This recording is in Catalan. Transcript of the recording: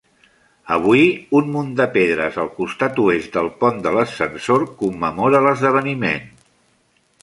Avui, un munt de pedres al costat oest del pont de l'ascensor commemora l'esdeveniment